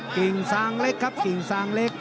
กิ่งซางเล็กครับกิ่งซางเล็ก